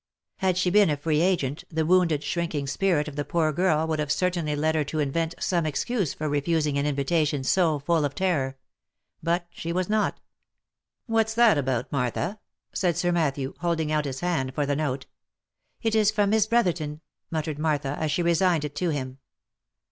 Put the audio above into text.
Had she been a free agent, the wounded shrinking spirit of the poor girl would have certainly led her to invent some ex cuse for refusing an invitation so full of terror ; but she was not. " What's that about, Martha?" said Sir Matthew, holding out his hand for the note. " It is from Miss Brotherton," muttered Martha, as she resigned it to him.